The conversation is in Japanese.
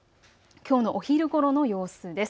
きょうのお昼ごろの様子です。